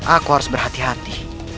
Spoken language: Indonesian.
aku harus berhati hati